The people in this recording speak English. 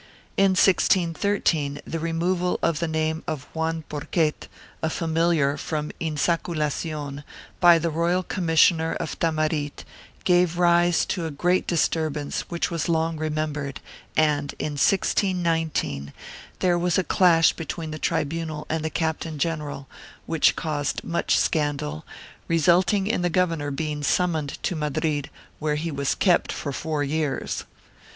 In 1613 the removal of the name of Juan Porquet, a familiar, from insaculacion, by the royal commissioner of Tamarit, gave rise to a great disturbance which was long remembered and, in 1619, there was a clash between the tribunal and the captain general, which caused much scandal, resulting in the governor being summoned to Madrid, where he was kept for four years.